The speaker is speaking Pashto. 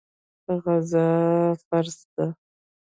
غزا فرض ده.